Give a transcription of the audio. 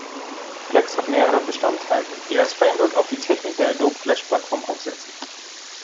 Flex hat mehrere Bestandteile, die als Framework auf die Technik der Adobe Flash-Plattform aufsetzen.